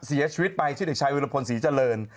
เสียชีวิตไปชื่อเด็กชายวิรพลศรีเจริญ